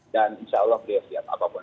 dan insya allah beliau siap apapun